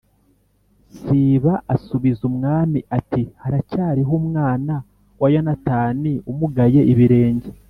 Siba asubiza umwami ati “Haracyariho umwana wa Yonatani umugaye ibirenge.”